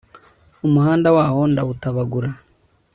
umuhanda waho ndawutabagura